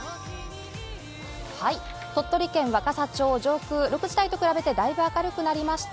鳥取県若桜町、上空６時台と比べてだいぶ明るくなりました。